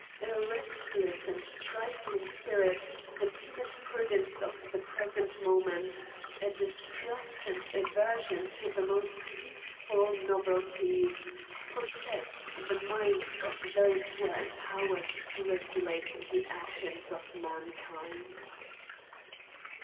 A restless and trifling spirit, the timid prudence of the present moment, a distrust and aversion to the most useful novelties, possess the minds of those who are empowered to regulate the actions of mankind.